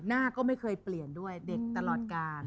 หน้าก็ไม่เคยเปลี่ยนด้วยเด็กตลอดการ